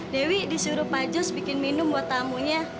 dewi disuruh pak jos bikin minum buat tamunya